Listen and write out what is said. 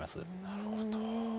なるほど。